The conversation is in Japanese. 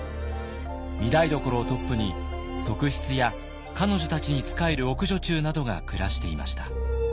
御台所をトップに側室や彼女たちに仕える奥女中などが暮らしていました。